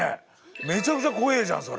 めちゃくちゃ怖えじゃんそれ。